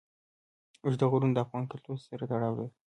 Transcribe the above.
اوږده غرونه د افغان کلتور سره تړاو لري.